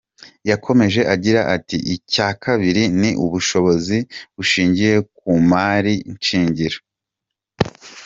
Yakomeje agira ati “Icya kabiri ni ubushobobozi bushingiye ku mari shingiro.